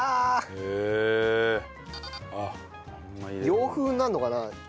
洋風になるのかな？